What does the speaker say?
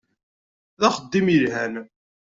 D axeddim yelhan!